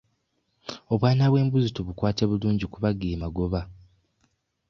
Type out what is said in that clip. Obwana bw'embuzi tubukwate bulungi kuba ge magoba.